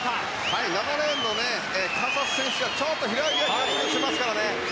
７レーンのカサス選手がちょっと平泳ぎは苦手としてますからね。